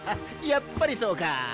やっぱりそうか！